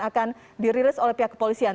akan dirilis oleh pihak kepolisian